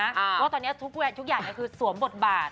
เพราะว่าตอนนี้ทุกอย่างคือสวมบทบาท